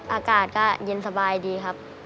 อากาศก็เย็นสบายดีครับ